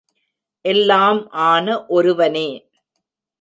எல்லாம் ஆன ஒருவனே!